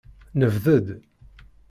Nebded.